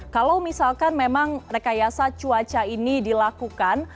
kalau misalkan memang rekayasa cuaca ini dilakukan